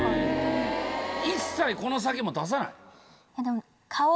一切この先も出さない？